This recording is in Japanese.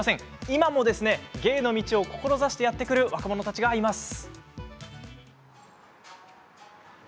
今も芸の道を志してやって来る若者たちがいます。